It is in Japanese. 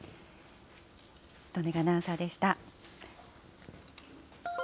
利根川アナウンサーでした。